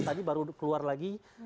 tadi baru keluar lagi